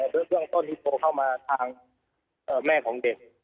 โดยเบื้องต้นที่โทรเข้ามาทางแม่ของเด็ก